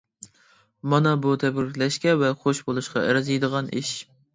مانا بۇ تەبرىكلەشكە ۋە خۇش بولۇشقا ئەرزىيدىغان ئىش.